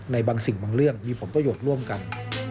ในบางสิ่งบางเรื่องมีผลประโยชน์ร่วมกัน